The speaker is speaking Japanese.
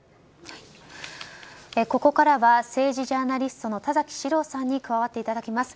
ここからは政治ジャーナリストの田崎史郎さんに加わっていただきます。